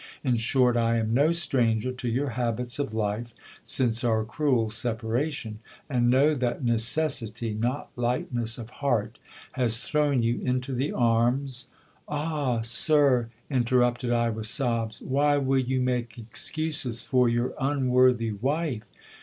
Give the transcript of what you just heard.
In short, I am no stranger to your habits of life since our cruel separation ; and know that ne cessity, not lightness of heart, has thrown you into the arms Ah! sir, inter rupted I with sobs, why will you make excuses for your unworthy wife